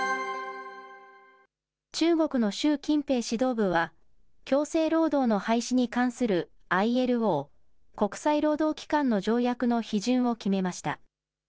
中国の習近平指導部は、強制労働の廃止に関するＩＬＯ・国際労働機関の条約の批准を決めました。